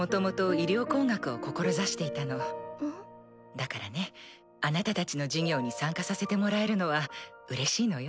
だからねあなたたちの事業に参加させてもらえるのはうれしいのよ。